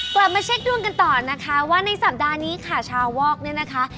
กลับมาเช็คดวงกันต่อนะคะว่าในสัปดาห์นี้ค่ะชาววอกเนี่ยนะคะ